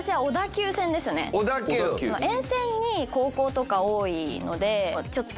沿線に高校とか多いのでちょっと。